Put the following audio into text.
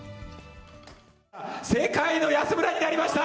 世界の安村になりました！